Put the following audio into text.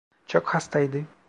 Çok hastaydı.